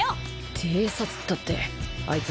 偵察ったってあいつ